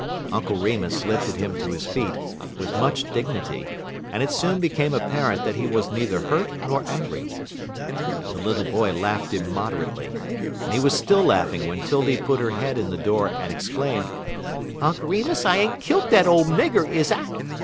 Uncle Remus lifted him to his feet, with much dignity, and it soon became apparent that he was neither hurt nor angry. The little boy laughed immoderately, and he was still laughing when 'Tildy put her head in the door and exclaimed: "Unk' Remus, I ain't kilt dat ole nigger, is I?